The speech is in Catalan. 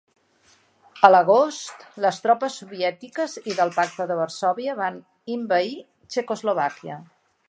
A l'agost, les tropes soviètiques i del Pacte de Varsòvia van invadir Txecoslovàquia.